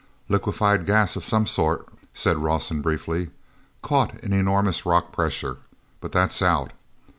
"Liquefied gas of some sort," said Rawson briefly, "caught in enormous rock pressure. But that's out!